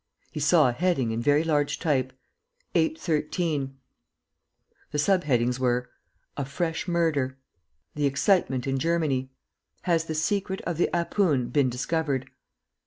He saw a heading in very large type "813" The sub headings were: "A FRESH MURDER "THE EXCITEMENT IN GERMANY "HAS THE SECRET OF THE 'APOON' BEEN DISCOVERED?"